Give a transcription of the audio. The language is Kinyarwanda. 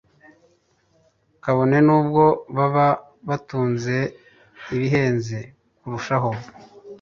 kabone n’ubwo baba batunze ibihenze kurushaho